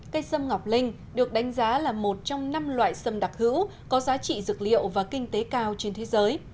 cây sâm ngọc linh được đánh giá là một trong năm loại sâm đặc hữu có giá trị dược liệu và kinh tế cao trên thế giới